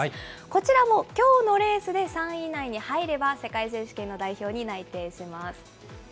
こちらもきょうのレースで３位以内に入れば、世界選手権の代表に内定します。